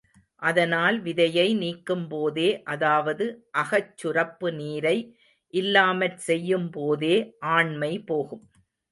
அதனால் விதையை நீக்கும்போதே அதாவது அகச்சுரப்பு நீரை இல்லாமற் செய்யும்போதே ஆண்மை போகும்.